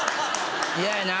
嫌やな。